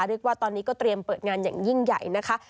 เรียกว่าตอนนี้ก็เตรียมเปิดงานอย่างยิ่งใหญ่นะคะ